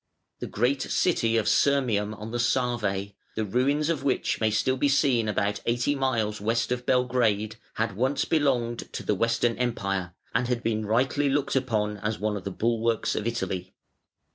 The great city of Sirmium on the Save, the ruins of which may still be seen about eighty miles west of Belgrade, had once belonged to the Western Empire and had been rightly looked upon as one of the bulwarks of Italy.